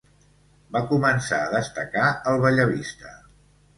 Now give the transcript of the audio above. Va començar a destacar al Bellavista.